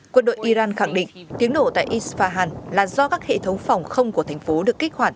quân đội iran khẳng định tiếng nổ tại isfahan là do các hệ thống phòng không của thành phố được kích hoạt